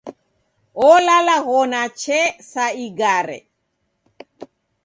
Olalaghona chee sa igare.